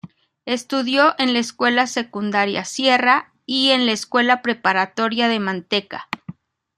Estudió en la Escuela Secundaria Sierra y en la Escuela Preparatoria de Manteca.